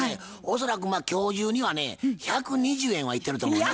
恐らく今日中にはね１２０円はいってると思います。